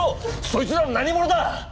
そいつらは何者だ！？